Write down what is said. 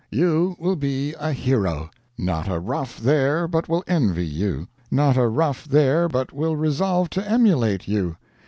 You will be a hero! Not a rough there but will envy you. Not a rough there but will resolve to emulate you.